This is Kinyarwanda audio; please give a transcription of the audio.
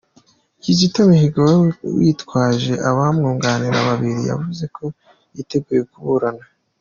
Kizito Mihigo wari witwaje abamwunganira babiri, yavuze ko yiteguye kuburana.